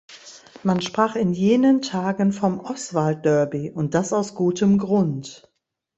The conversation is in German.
Man sprach in jenen Tagen vom „Oßwald-Derby“, und das aus gutem Grund.